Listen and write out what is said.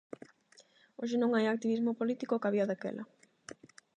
Hoxe non hai o activismo político que había daquela.